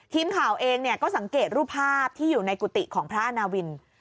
ทีมข่าวเองก็สังเกตรูปภาพที่อยู่ในกุฏิของพระอาณาวิน